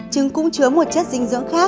trứng cũng chứa một chất dinh dưỡng khác